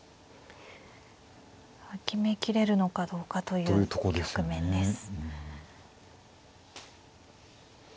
決めきれるのかどうかという局面です。